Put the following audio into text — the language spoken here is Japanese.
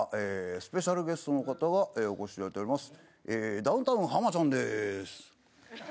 スペシャルゲストの方がお越し頂いております。